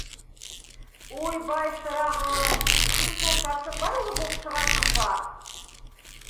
— Уйбай, шырағым, син сул Сарсынбай улы булып шығасыңба?